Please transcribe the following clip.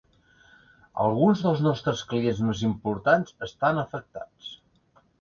Alguns dels nostres clients més importants estan afectats.